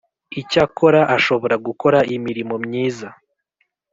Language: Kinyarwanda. Icyakora ashobora gukora imirimo myiza